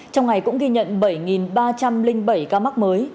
trong ngày cũng ghi nhận bảy ba trăm linh bảy ca mắc mới